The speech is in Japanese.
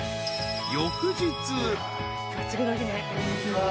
こんにちは。